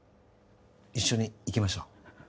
一緒に行きましょう。